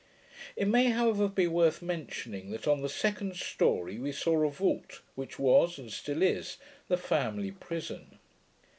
It may however be worth mentioning, that on the second story we saw a vault, which was, and still is, the family prison.